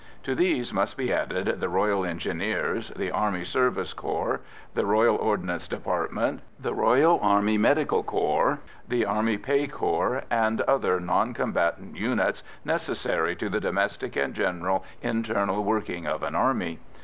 To these must be added the Royal Engineers, the Army Service Corps, the Royal Ordnance Department, the R.A.M.C., the Army Pay Corps, and other non combatant units necessary to the domestic and general internal working of an army.